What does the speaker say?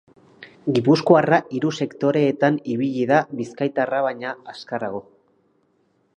Gipuzkoarra hiru sektoreetan ibili da bizkaitarra baina azkarrago.